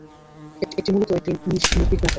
একটি মূলত একটি কীটনাশক।